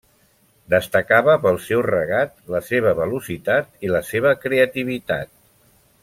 Destacava pel seu regat, la seva velocitat i la seva creativitat.